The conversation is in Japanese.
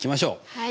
はい。